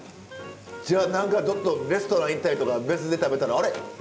じゃあ何かちょっとレストラン行ったりとか別で食べたら「あれ？」って。